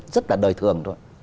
rất là đời thường